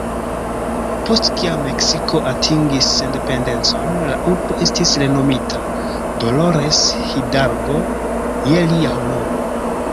Post kiam Meksiko atingis sendependecon, la urbo estis renomita "Dolores Hidalgo" je lia honoro.